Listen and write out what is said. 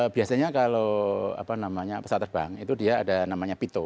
biasanya kalau pesawat terbang itu dia ada namanya pito